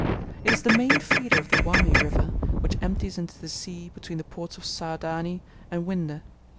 It is the main feeder of the Wami river, which empties into the sea between the ports of Saadani and Whinde.